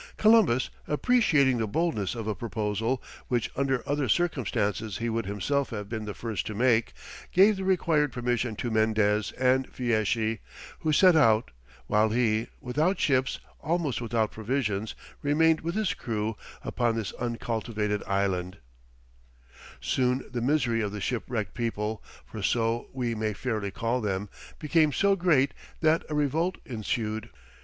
Columbus, appreciating the boldness of a proposal, which under other circumstances he would himself have been the first to make, gave the required permission to Mendez and Fieschi, who set out, while he, without ships, almost without provisions, remained with his crew upon this uncultivated island. [Illustration: Indian Boats. From an old print.] Soon the misery of the shipwrecked people for so we may fairly call them became so great that a revolt ensued.